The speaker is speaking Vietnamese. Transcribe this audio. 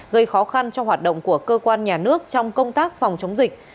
gây khó khăn cho hoạt động của cơ quan nhà nước trong công tác phòng chống dịch